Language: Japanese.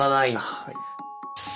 はい。